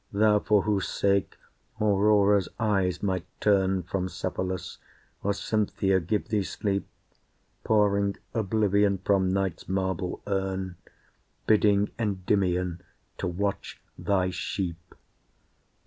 Thou for whose sake Aurora's eyes might turn From Cephalus, or Cynthia give thee sleep, Pouring oblivion from night's marble urn, Bidding Endymion to watch thy sheep!